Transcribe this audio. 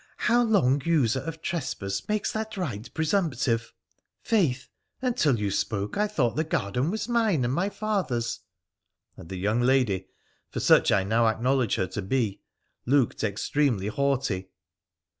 ' How long user of trespass makes that right pre sumptive ? Faith ! until you spoke I thought the garden was mine and my father's !' and the young lady, for such I now acknowledge her to be, looked extremely haughty.